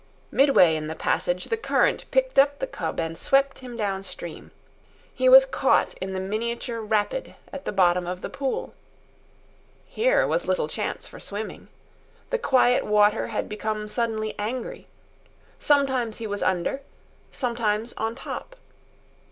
Midway in the passage, the current picked up the cub and swept him downstream. He was caught in the miniature rapid at the bottom of the pool. Here was little chance for swimming. The quiet water had become suddenly angry. Sometimes he was under, sometimes on top.